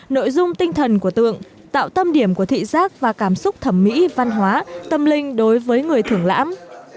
nội dung tinh thần của tượng tạo tâm điểm của thị giác và cảm xúc thẩm mỹ văn hóa tâm linh đối với người thưởng lãm